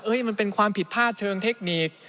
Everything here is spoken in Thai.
มันเป็นความผิดพลาดเชิงเทคนิค